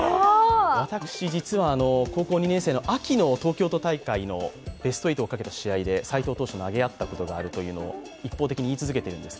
私、実は高校２年生の秋の東京都大会のベスト８をかけた戦いで斎藤投手と投げ合ったことがあるというのを、一方的に言い続けているんですが。